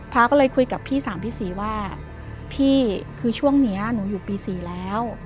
ก็เลยคุยกับพี่สามพี่ศรีว่าพี่คือช่วงนี้หนูอยู่ปี๔แล้ว